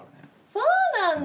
そうなんだ！